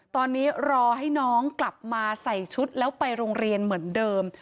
ตอนนี้รอให้น้องกลับมาใส่ชุดแล้วไปโรงเรียนเหมือนเดิม